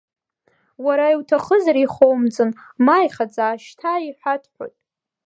Уара иуҭахызар ихоумҵан, ма ихаҵа, шьҭа иҳәатәхоит.